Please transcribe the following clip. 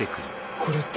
これって。